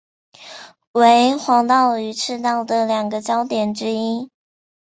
为黄道与赤道的两个交点之一。